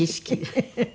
フフフフ。